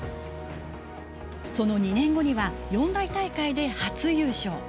その２年後には四大大会で初優勝。